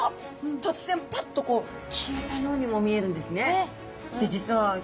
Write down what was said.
突然パッとこう消えたようにも見えるんですね。